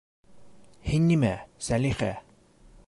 -Һин нимә, Сәлихә?